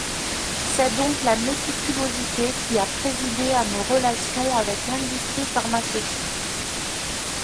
C’est donc la méticulosité qui a présidé à nos relations avec l’industrie pharmaceutique.